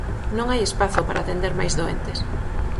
Non hai espazo para atender máis doentes.